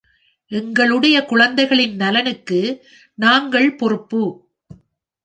எங்களுடைய குழந்தைகளின் நலனுக்கு நாங்கள் பொறுப்பு.